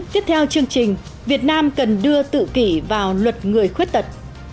tiếp theo chương trình việt nam cần đưa tự kỷ vào luật người khuyết tật